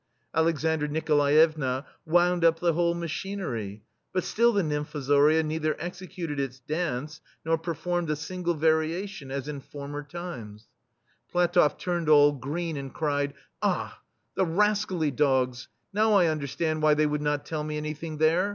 Alex andra Nikolaevna wound up the whole machinery, but still the nymfozoria neither executed its dance nor per formed a single variation, as in former times. [5^ THE STEEL FLEA PlatofF turned all green, and cried : "Ah ! the rascally dogs ! Now I under stand why they would not tell me any thing there.